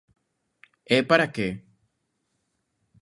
E ¿para que?